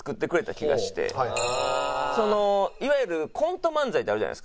そのいわゆるコント漫才ってあるじゃないですか。